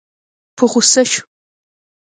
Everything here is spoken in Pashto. په غوسه شو.